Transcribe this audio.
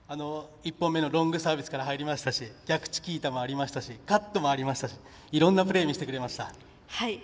１本目のロングサービスから入りましたし、逆チキータもカットもありましたしいろんなプレー見せてくれました。